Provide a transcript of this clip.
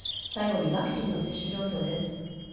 最後にワクチンの接種状況です。